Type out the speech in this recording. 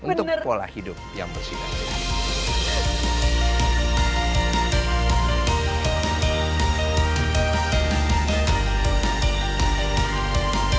untuk pola hidup yang bersih dan sehat